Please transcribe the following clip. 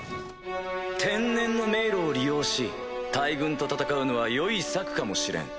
天然の迷路を利用し大軍と戦うのは良い策かもしれん。